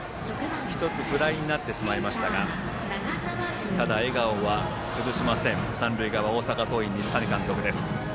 １つフライになってしまいましたがただ笑顔は崩しません大阪桐蔭の西谷監督。